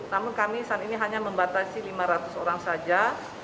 namun kami saat ini hanya membatasi lima ratus orang saja